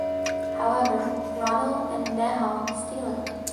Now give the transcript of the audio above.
However Rano and Neha steal it.